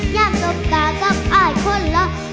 อยากจบกับอายคนแล้ว